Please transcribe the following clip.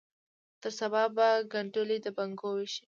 تر سبا به کنډولي د بنګو ویشي